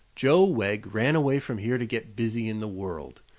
Joe Wegg ran away from here to get busy in the world.